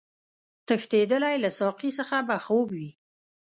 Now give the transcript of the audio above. تښتېدلی له ساقي څخه به خوب وي